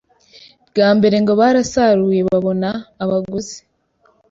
bwa mbere ngo barasaruye babona abaguzi